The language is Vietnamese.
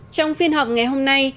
trong phiên họp ngày hôm nay